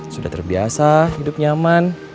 sudah terbiasa hidup nyaman